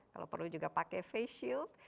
kalau perlu juga pakai face shield